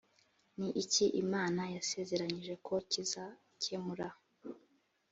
ni iki imana yasezeranyije ko kizakemura